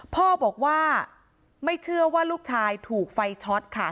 พ่อบอกว่าไม่เชื่อว่าลูกชายถูกไฟช็อตค่ะ